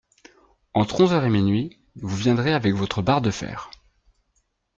Entre onze heures et minuit, vous viendrez avec votre barre de fer.